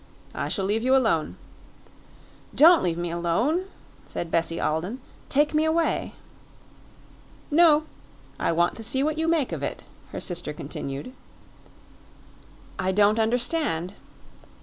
I shall leave you alone." "Don't leave me alone," said Bessie Alden. "Take me away." "No; I want to see what you make of it," her sister continued. "I don't understand."